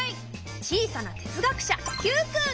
小さな哲学者Ｑくん。